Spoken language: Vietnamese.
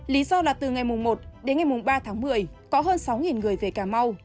lý do là từ ngày một đến ngày ba tháng một mươi có hơn sáu người về cà mau